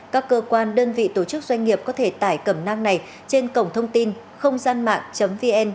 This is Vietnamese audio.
các cơ quan đơn vị tổ chức doanh nghiệp có thể tải cẩm nang này trên cổng thông tin không gian mạng vn